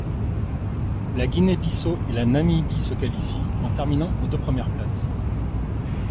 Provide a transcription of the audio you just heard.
La Guinée-Bissau et la Namibie se qualifient en terminant aux deux premières places.